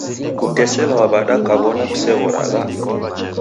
Kuteselwagha w'ada kaw'ona kuseghoragha?